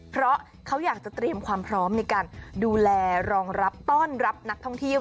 เพราะเขาอยากจะเตรียมความพร้อมในการดูแลรองรับต้อนรับนักท่องเที่ยว